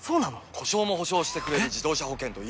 故障も補償してくれる自動車保険といえば？